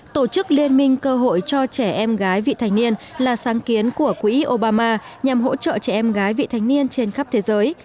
tổ chức liên minh cơ hội cho trẻ em gái vị thành niên là sáng kiến của quỹ obama nhằm hỗ trợ trẻ em gái vị thành niên trên khắp thế giới